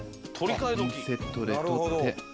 ピンセットで取って。